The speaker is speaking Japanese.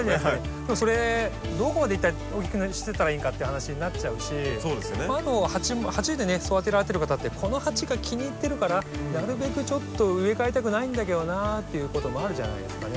でもそれどこまで一体大きくしてったらいいんかっていう話になっちゃうしあと鉢で育てられてる方ってこの鉢が気に入ってるからなるべくちょっと植え替えたくないんだけどなっていうこともあるじゃないですかね。